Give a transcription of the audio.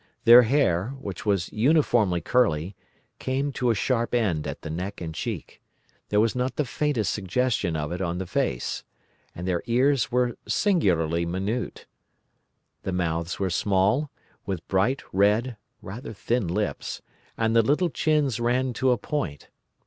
Their hair, which was uniformly curly, came to a sharp end at the neck and cheek; there was not the faintest suggestion of it on the face, and their ears were singularly minute. The mouths were small, with bright red, rather thin lips, and the little chins ran to a point.